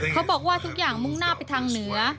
เขาบอกว่าทุกอย่างมุ่งหน้าไปทางเหนือ